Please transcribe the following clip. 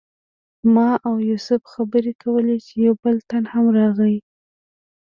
ما او یوسف خبرې کولې چې یو بل تن هم راغی.